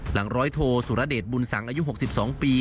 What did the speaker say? หลังร้อยโทสุรเดชบุญสังอายุ๖๒ปี